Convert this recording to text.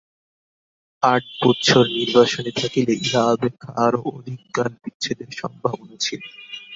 আট বৎসর নির্বাসনে থাকিলে ইহা অপেক্ষা আরও অধিক কাল বিচ্ছেদের সম্ভাবনা ছিল।